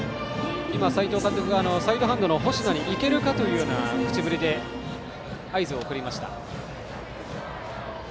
斎藤監督がサイドハンドの星名に行けるかというような口ぶりで合図を送りました。